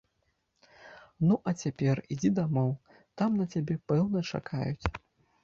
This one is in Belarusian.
Ну, а цяпер ідзі дамоў, там на цябе, пэўне, чакаюць.